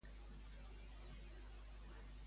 Què va fer el diari Ara?